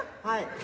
はい。